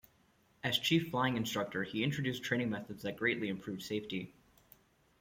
As Chief Flying Instructor he introduced training methods that greatly improved safety.